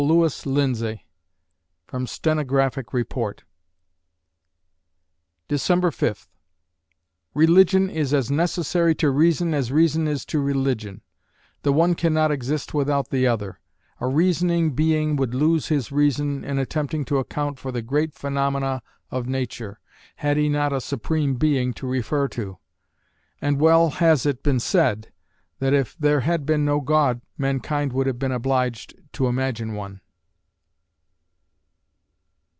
LEWIS LINDSAY (From Stenographic Report) December Fifth Religion is as necessary to reason as reason is to religion. The one cannot exist without the other. A reasoning being would lose his reason, in attempting to account for the great phenomena of nature, had he not a Supreme Being to refer to; and well has it been said that if there had been no God mankind would have been obliged to imagine one.